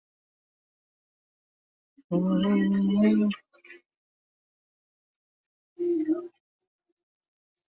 জবাবে রিগল কাতালানদের স্বাধীনতার পক্ষে সমর্থনের জন্য বার্সেলোনার প্রতি কৃতজ্ঞতা প্রকাশ করেছেন।